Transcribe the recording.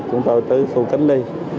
chúng tôi tới khu cánh lây